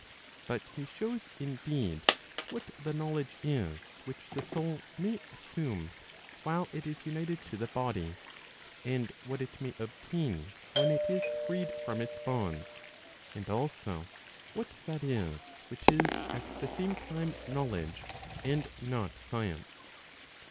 But he shows indeed, what the knowledge is which the soul may assume while it is united to the body, and what it may obtain when it is freed from its bonds; and also what that is which is at the same time knowledge and not science.